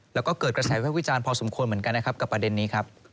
และเกิดกระแสแพร่วิจารณ์พอสมควรกับอเด็นนี้